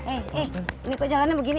eh eh ini kok jalannya begini